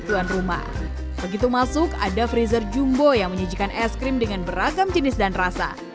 tuan rumah begitu masuk ada freezer jumbo yang menyajikan es krim dengan beragam jenis dan rasa